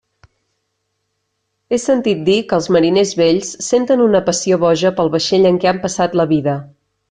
He sentit dir que els mariners vells senten una passió boja pel vaixell en què han passat la vida.